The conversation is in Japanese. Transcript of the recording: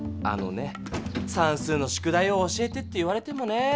あのねさんすうの宿題を教えてって言われてもね。